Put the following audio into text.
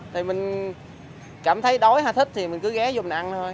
thì mình cảm thấy đói hay thích thì mình cứ ghé vô mình ăn thôi